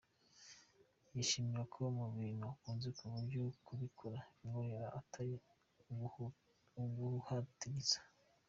Yishimira kuba mu bintu akunze ku buryo kubikora bimworohera atari uguhatiriza.